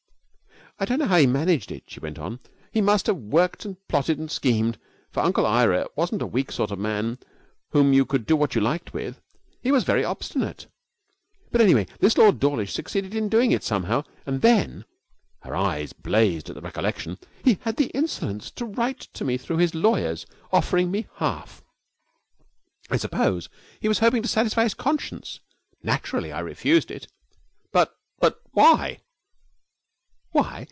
'I don't know how he managed it,' she went on. 'He must have worked and plotted and schemed, for Uncle Ira wasn't a weak sort of man whom you could do what you liked with. He was very obstinate. But, anyway, this Lord Dawlish succeeded in doing it somehow, and then' her eyes blazed at the recollection 'he had the insolence to write to me through his lawyers offering me half. I suppose he was hoping to satisfy his conscience. Naturally I refused it.' 'But but but why?' 'Why!